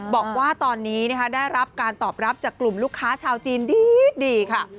บอกว่าตอนนี้ได้รับการตอบรับจากกลุ่มลูกค้าชาวจีนดีค่ะ